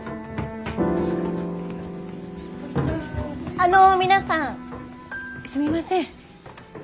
あの皆さんすみません。